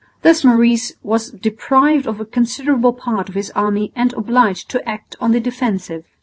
Thus Maurice was deprived of a considerable part of his army and obliged to act on the defensive.